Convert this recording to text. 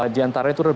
di antara itu adalah